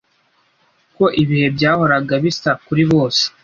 Ko ibihe byahoraga bisa kuri bose